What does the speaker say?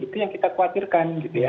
itu yang kita khawatirkan